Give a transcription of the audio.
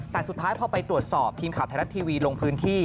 แต่สุดท้ายพอไปตรวจสอบทีมข่าวไทยรัฐทีวีลงพื้นที่